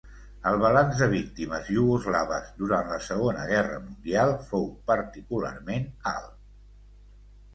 El balanç de víctimes iugoslaves durant la Segona Guerra Mundial fou particularment alt.